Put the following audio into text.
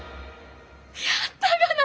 やったがな！